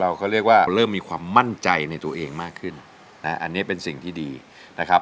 เขาเรียกว่าเริ่มมีความมั่นใจในตัวเองมากขึ้นนะอันนี้เป็นสิ่งที่ดีนะครับ